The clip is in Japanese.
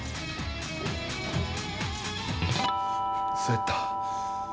そやった。